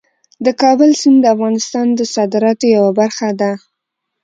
د کابل سیند د افغانستان د صادراتو یوه برخه ده.